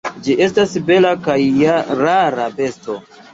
Ĝi estas bela kaj rara besto.